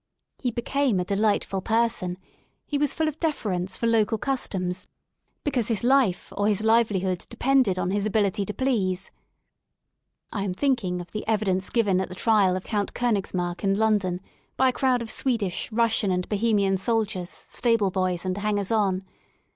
He became a delightful person; he was full of deference for local customs, because his life or his live lihood depended on his ability to please, (I am think ing of the evidence given at the trial of Count Kdnigs marck in London by a crowd of Swedish, Russian, and Bohemian soldiers, stable boys and hangers on.